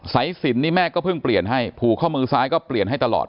สายสินนี่แม่ก็เพิ่งเปลี่ยนให้ผูกข้อมือซ้ายก็เปลี่ยนให้ตลอด